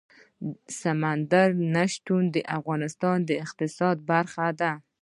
سمندر نه شتون د افغانستان د اقتصاد برخه ده.